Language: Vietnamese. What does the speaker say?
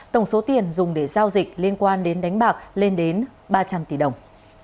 tổng số tiền dùng để giao dịch liên quan đến đánh bạc lên đến ba trăm linh tỷ đồng